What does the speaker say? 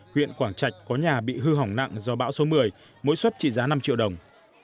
huyện quảng trạch có nhà bị hư hỏng nặng do bão số một mươi mỗi suất trị giá năm triệu đồng